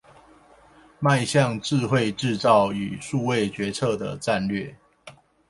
邁向智慧製造與數位決策的戰略